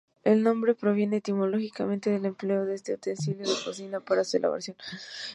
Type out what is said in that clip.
El nombre proviene etimológicamente del empleo de este utensilio de cocina para su elaboración.